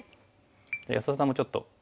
じゃあ安田さんもちょっと。